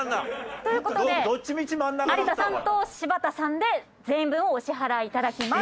という事で有田さんと柴田さんで全員分をお支払い頂きます。